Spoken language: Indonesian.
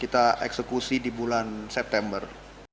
kita eksekusi di bulan september